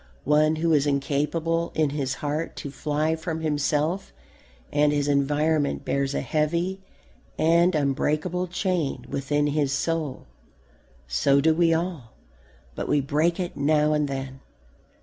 One who is incapable in his heart to fly from himself and his environment bears a heavy and unbreakable chain within his soul. So do we all. But we break it now and then.